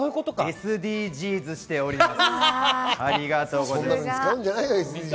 ＳＤＧｓしています。